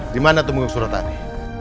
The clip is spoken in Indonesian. dimana tumgung surat tadi